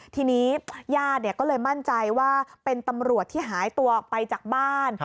ทีนี้ญาติก็เลยมั่นใจว่าเป็นตำรวจที่หายตัวออกไปจากบ้าน